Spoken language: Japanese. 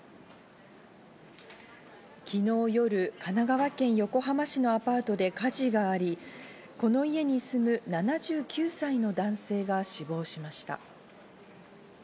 昨日夜、神奈川県横浜市のアパートで火事があり、この家に住む７９歳の男性が死亡しました。